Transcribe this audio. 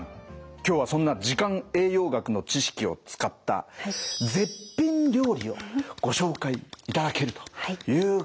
今日はそんな時間栄養学の知識を使った絶品料理をご紹介いただけるということですね？